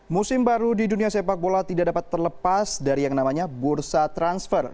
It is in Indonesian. musim baru di dunia sepak bola tidak dapat terlepas dari yang namanya bursa transfer